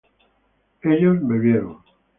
ellos bebieron